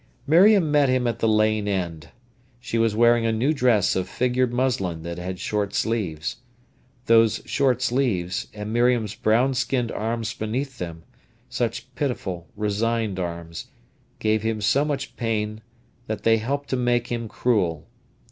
Miriam met him at the lane end. She was wearing a new dress of figured muslin that had short sleeves. Those short sleeves, and Miriam's brown skinned arms beneath them—such pitiful, resigned arms—gave him so much pain that they helped to make him cruel.